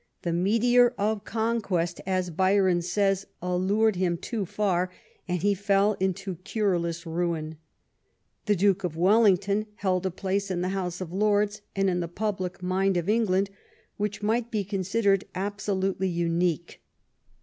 " The meteor of conquest," as Byron says, " allured him too far," and he fell into cureless ruin. The Duke of Wellington held a place in the House of Lords and in the public mind of England which might be considered absolutely unique.